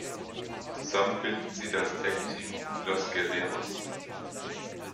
Zusammen bildeten sie das Tag Team Los Guerreros.